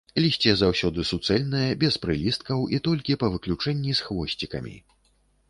Лісце заўсёды суцэльнае, без прылісткаў і толькі па выключэнні з хвосцікамі.